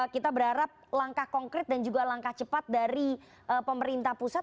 kita berharap langkah konkret dan juga langkah cepat dari pemerintah pusat